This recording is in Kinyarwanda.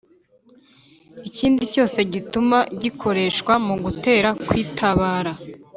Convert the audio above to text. ikindi cyose gituma gikoreshwa mu gutera kwitabara